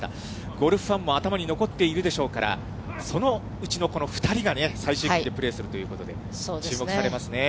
ゴルフファンも頭に残っているでしょうから、そのうちのこの２人がね、最終組でプレーするということで、注目されますね。